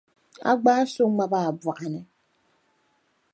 A gbaai so n ŋmabi a bɔɣu ni.